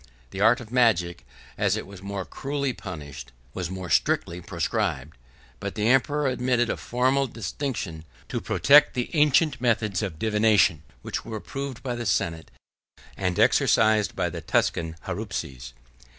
The art of magic, as it was more cruelly punished, was more strictly proscribed: but the emperor admitted a formal distinction to protect the ancient methods of divination, which were approved by the senate, and exercised by the Tuscan haruspices.